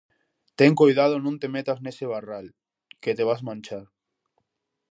Ten coidado non te metas nese barral, que te vas manchar.